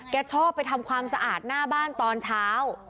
ชอบไปทำความสะอาดหน้าบ้านตอนเช้า